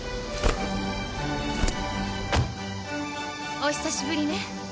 ・お久しぶりね